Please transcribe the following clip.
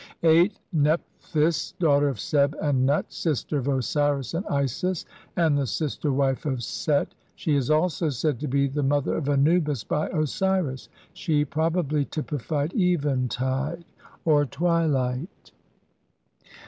8. Nephthys, daughter of Seb and Nut, sister of Osiris and Isis, and the sister wife of Set ; she is also said to be the mother of Anubis by Osiris ; she pro bably typified eventide or twilight.